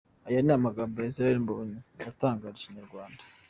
"Aya ni amagambo ya Israel Mbonyi yatangarije inyarwanda.